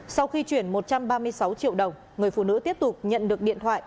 sau khi chuyển một trăm ba mươi sáu triệu đồng người phụ nữ tiếp tục nhận được điện thoại